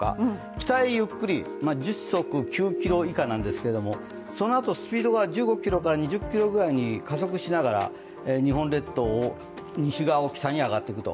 北へゆっくり時速９キロ以下なんですけれどもそのあとスピードが１５キロから２０キロに加速しながら日本列島を西側を北に上がってくと。